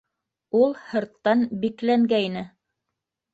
Ул һырттан бикләнгәйне.